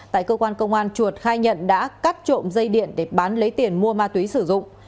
tại cơ quan công an chuột khai nhận đã cắt trộm dây điện để bán lấy tiền mua ma túy sử dụng